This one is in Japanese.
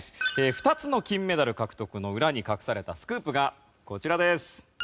２つの金メダル獲得の裏に隠されたスクープがこちらです。